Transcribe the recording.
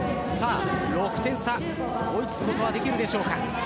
６点差追いつくことはできるでしょうか。